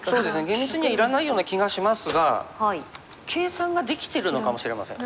厳密にはいらないような気がしますが計算ができてるのかもしれません。